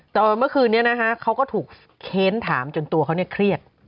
แต่เมื่อคืนนี้นะคะเขาก็ถูกเค้นถามจนตัวเขาเนี่ยเครียด